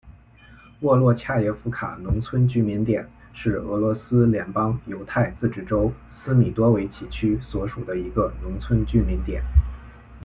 沃洛恰耶夫卡农村居民点是俄罗斯联邦犹太自治州斯米多维奇区所属的一个农村居民点。